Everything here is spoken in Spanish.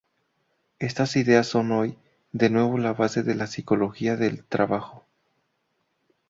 Estas ideas son hoy, de nuevo, la base de la psicología del trabajo.